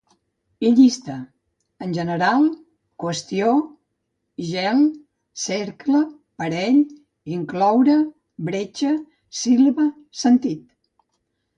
Llista: en general, qüestió, gel, cercle, parell, incloure, bretxa, síl·laba, sentit